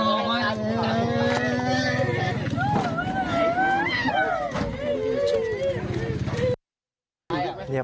นั่งขมัมด้วย